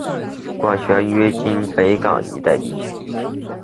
管辖约今北港一带区域。